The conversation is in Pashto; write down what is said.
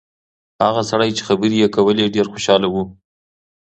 هغه سړی چې خبرې یې کولې ډېر خوشاله و.